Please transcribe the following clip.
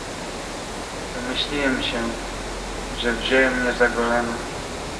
"Domyśliłem się, że wzięły mnie za Golema."